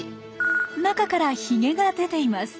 中からヒゲが出ています。